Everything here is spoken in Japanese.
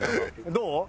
どう？